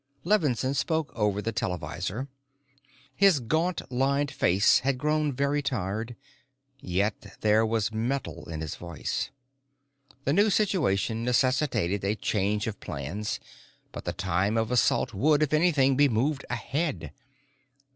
Levinsohn spoke over the televisor. His gaunt, lined face had grown very tired, yet there was metal in his voice. The new situation necessitated a change of plans, but the time of assault would, if anything, be moved ahead.